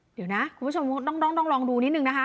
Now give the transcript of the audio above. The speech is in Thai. เดี๋ยวนะคุณผู้ชมต้องลองดูนิดนึงนะคะ